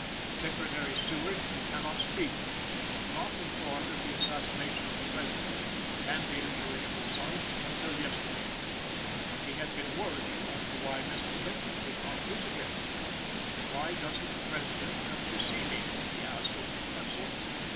Secretary Seward, who cannot speak, was not informed of the assassination of the President, and the injury of his son, until yesterday. He had been worrying as to why Mr. Lincoln did not visit him. "Why does'nt the President come to see me?" he asked with his pencil.